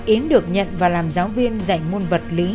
yến được nhận và làm giáo viên dạy môn vật lý